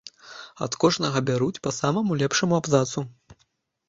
Ад кожнага бяруць па самаму лепшаму абзацу.